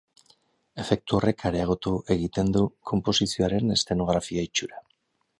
Efektu horrek areagotu egiten du konposizioaren eszenografia itxura.